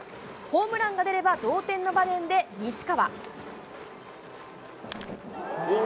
ホームランが出れば同点の場面で、西川。